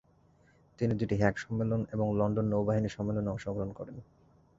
তিনি দুইটি হেগ সম্মেলন এবং লন্ডন নৌবাহিনী সম্মেলনে অংশগ্রহণ করেন।